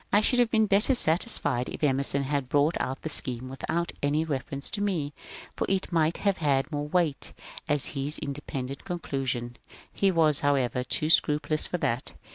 I should have been better satisfied if Emerson had brought out the scheme without any reference to me, for it might have had more weight as his independent conclusion. He was, however, too scrupulous for that.